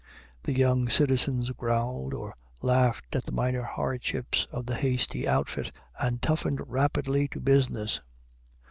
The young citizens growled or laughed at the minor hardships of the hasty outfit, and toughened rapidly to business.